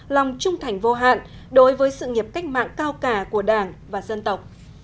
lòng trung thành vô hạn đối với sự nghiệp cách mạng cao cả của đảng và dân tộc